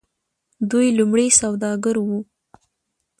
دوی لومړی سوداګر وو.